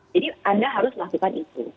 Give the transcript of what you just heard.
jadi anda harus melakukan itu